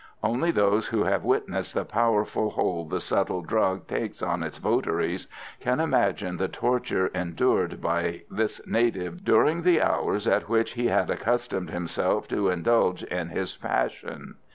Only those who have witnessed the powerful hold the subtle drug takes on its votaries can imagine the torture endured by this native during the hours at which he had accustomed himself to indulge in his passion.